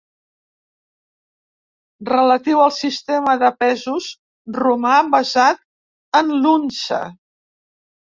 Relatiu al sistema de pesos romà basat en l'unça.